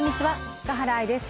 塚原愛です。